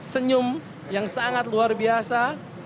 senyum yang sangat luar biasa